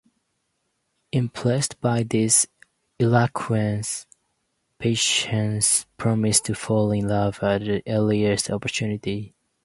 Impressed by this eloquence, Patience promises to fall in love at the earliest opportunity.